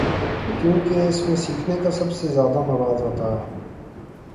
کیونکہ اس میں سیکھنے کا سب سے زیادہ مواد ہو تا ہے۔